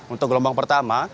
untuk gelombang pertama